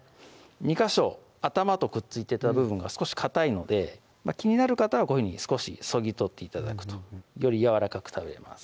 ２ヵ所頭とくっついてた部分が少しかたいので気になる方はこういうふうに少しそぎ取って頂くとよりやわらかく食べれます